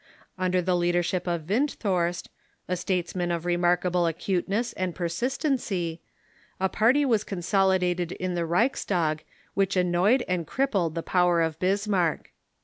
Under the leadership of Windthorst, a statesman of remarkable acuteness and persist ency, a party was consolidated in the Reichstag which an noyed and crippled the power of Bismarck.